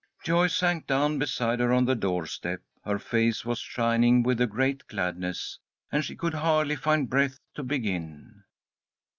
Joyce sank down beside her on the door step. Her face was shining with a great gladness, and she could hardly find breath to begin.